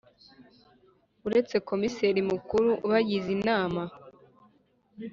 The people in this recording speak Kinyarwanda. Uretse Komiseri Mukuru abagize inama